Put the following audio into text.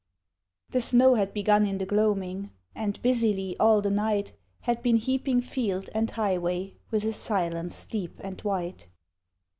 The snow had begun in the gloaming, And busily all the night Had been heaping field and highway With a silence deep and white.